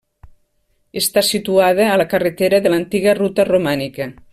Està situada a la carretera de l'antiga Ruta Romànica.